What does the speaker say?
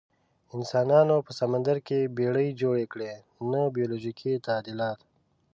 انسانانو په سمندر کې بیړۍ جوړې کړې، نه بیولوژیکي تعدیلات.